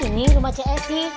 nini rumah csi